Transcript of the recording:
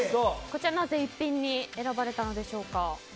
こちら、なぜ逸品に選ばれたんでしょうか？